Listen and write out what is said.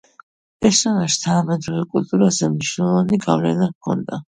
პერსონაჟს თანამედროვე კულტურაზე მნიშვნელოვანი გავლენა ჰქონდა.